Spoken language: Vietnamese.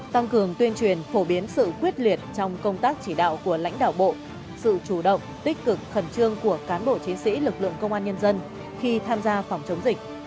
tăng cường tuyên truyền phổ biến sự quyết liệt trong công tác chỉ đạo của lãnh đạo bộ sự chủ động tích cực khẩn trương của cán bộ chiến sĩ lực lượng công an nhân dân khi tham gia phòng chống dịch